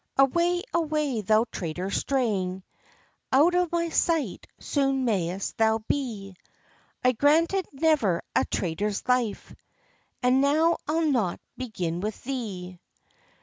"Away, away, thou traitor strang! Out of my sight soon may'st thou be! I granted never a traitor's life, And now I'll not begin with thee."